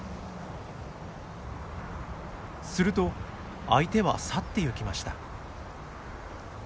すると相手は去ってゆきました。